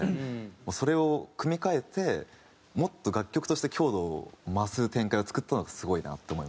それを組み替えてもっと楽曲として強度を増す展開を作ったのがすごいなと思いました。